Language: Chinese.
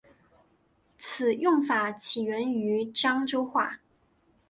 此用法起源于漳州话。